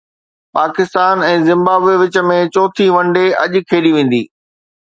Pakistan ۽ Zimbabwe وچ ۾ چوٿين one day اڄ کيڏي ويندي